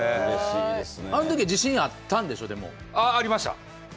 あのときは、自信あったんでしょう、でも。ありました。